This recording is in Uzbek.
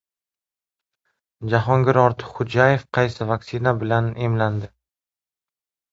Jahongir Ortiqxo‘jayev qaysi vaksina bilan emlandi?